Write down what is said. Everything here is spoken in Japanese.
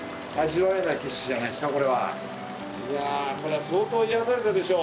いやこれは相当癒やされたでしょう